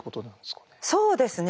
そうですね。